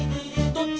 「どっち」